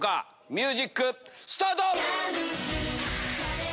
ミュージックスタート！